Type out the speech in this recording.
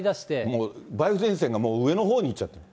もう梅雨前線が上のほうに行っちゃっている。